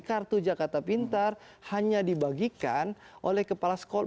kartu jakarta pintar hanya dibagikan oleh kepala sekolah